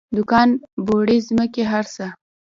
دوکان بوړۍ ځمکې هر څه.